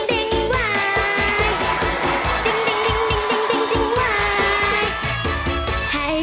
เดี๋ยวก็มาเองแหละ